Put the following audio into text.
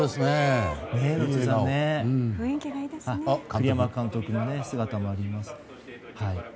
栗山監督の姿もあります。